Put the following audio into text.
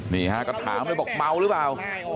นี่ฮะก็ถามเลยบอกเมาหรือเปล่า